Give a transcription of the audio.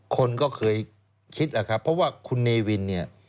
คนก็เคยคิดแหละครับเพราะว่าคุณเนวินเนี่ย